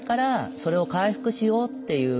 それを回復しようっていう。